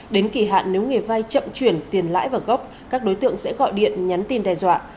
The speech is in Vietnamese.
đến kỳ hạn nếu người vai chậm chuyển tiền lãi vào gốc các đối tượng sẽ gọi điện nhắn tin đe dọa